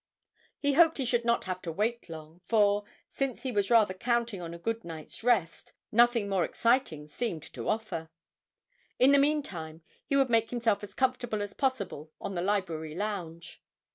He hoped he should not have to wait long, for, since he was rather counting on a good night's rest, nothing more exciting seemed to offer. In the mean time, he would make himself as comfortable as possible on the library lounge.